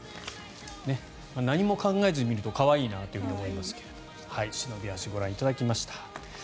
何も考えずに見ると可愛いなと思いますが忍び足、ご覧いただきました。